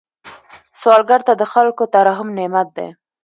سوالګر ته د خلکو ترحم نعمت دی